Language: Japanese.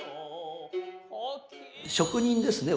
職人ですね